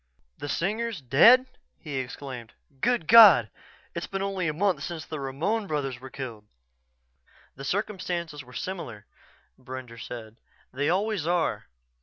"The Singers dead?" he exclaimed. "Good God it's been only a month since the Ramon brothers were killed." "The circumstances were similar," Brender said. "They always are.